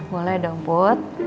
boleh dong put